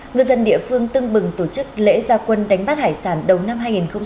ngư dân địa phương tưng bừng tổ chức lễ gia quân đánh bắt hải sản đầu năm hai nghìn hai mươi